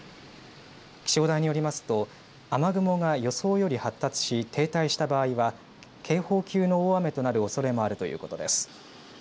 気象台によりますと雨雲が予想より発達し停滞した場合は警報級の大雨となるおそれもあるということです。